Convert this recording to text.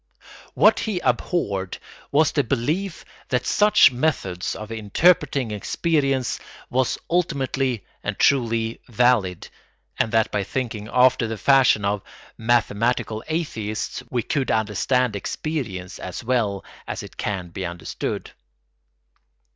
] What he abhorred was the belief that such methods of interpreting experience were ultimate and truly valid, and that by thinking after the fashion of "mathematical atheists" we could understand experience as well as it can be understood.